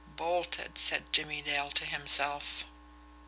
"Bolted," said Jimmie Dale to himself.